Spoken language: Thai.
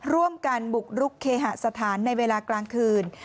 ร่วมกันบุกรุกเคหสถานในเวลากลางคืน